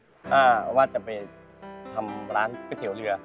เข้าว่าจะไปทำร้านผิดเฉียวเรือ